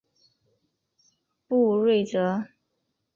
卜睿哲。